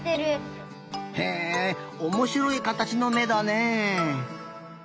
へえおもしろいかたちのめだね。